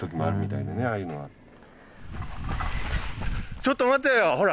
ちょっと待てよ！